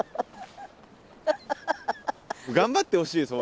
頑張ってほしいです